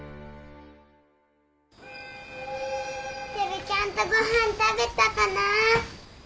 テルちゃんとごはん食べたかな？